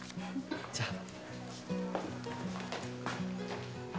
じゃあ